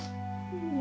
うん。